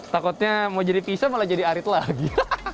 takutnya mau jadi pisau malah jadi arit lagi